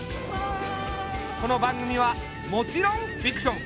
この番組はもちろんフィクション。